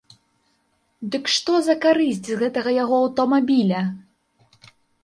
Дык што за карысць з гэтага яго аўтамабіля!